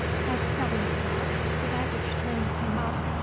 At seven o'clock the baggage train came up.